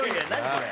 これ。